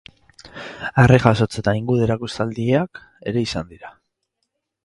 Harri-jasotze eta ingude erakusteldiak ere izan dira.